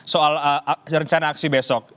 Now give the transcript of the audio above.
soal rencana aksi besok